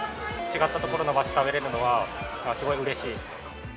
違った所の場所のを食べれるのは、すごいうれしい。